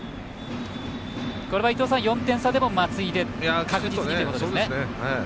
これは伊東さん、４点差でも松井で確実にということですね。